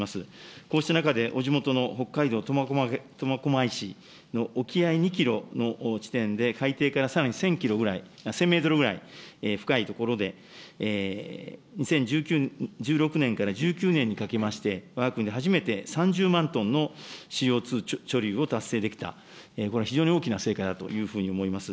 こうした中で、お地元の北海道苫小牧市の沖合２キロの地点で海底からさらに１０００キロぐらい、１０００メートルぐらい深い所で、２０１６年から１９年にかけまして、わが国で初めて３０万トンのＣＯ２貯留を達成できた、これは非常に大きな成果だと思います。